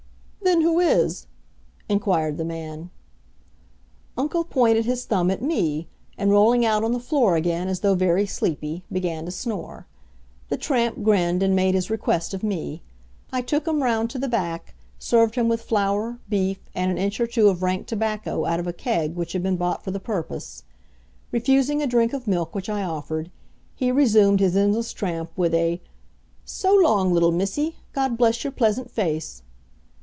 "Then who is?" inquired the man. Uncle pointed his thumb at me, and, rolling out on the floor again as though very sleepy, began to snore. The tramp grinned, and made his request of me. I took him round to the back, served him with flour, beef, and an inch or two of rank tobacco out of a keg which had been bought for the purpose. Refusing a drink of milk which I offered, he resumed his endless tramp with a "So long, little missy. God bless your pleasant face."